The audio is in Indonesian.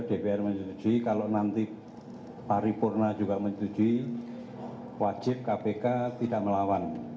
dpr menetujui kalau nanti pak ripurna juga menetujui wajib kpk tidak melawan